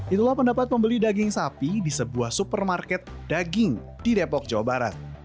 itulah pendapat pembeli daging sapi di sebuah supermarket daging di depok jawa barat